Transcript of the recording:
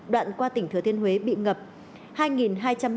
đoạn qua tỉnh thừa thiên huế bị ngập